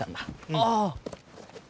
ああ！